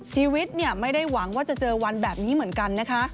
ชีวิตไม่ได้หวังว่าจะเจอวันแบบนี้เหมือนกันนะคะ